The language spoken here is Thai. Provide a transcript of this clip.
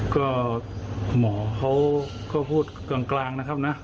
ก็หมอเขาก็พูดกลางนะครับนะ